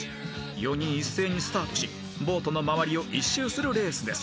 ［４人一斉にスタートしボートの周りを１周するレースです］